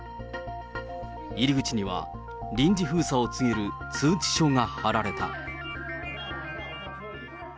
入り口には臨時封鎖を告げる通知書が貼られた。